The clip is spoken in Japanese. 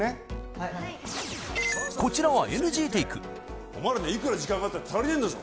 はいこちらはＮＧテイクお前らにはいくら時間があったって足りねえんだぞ